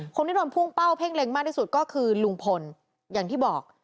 คนที่โดนพุ่งเป้าเพ่งเล็งมากที่สุดก็คือลุงพลอย่างที่บอก